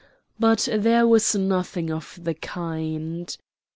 But there was nothing of the kind.